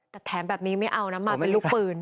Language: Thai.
แต่แถมแบบนี้ไม่เอานะมาเป็นลูกปืน